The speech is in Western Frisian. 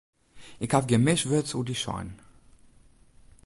Ik haw gjin mis wurd oer dy sein.